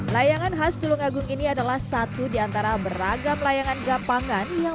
layangan khas tulungagung ini adalah satu diantara beragam layangan gabangan yang